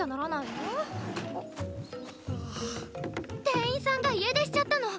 店員さんが家出しちゃったの！